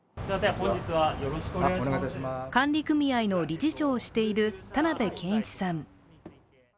管理組合の理事長をしている田辺賢一さん。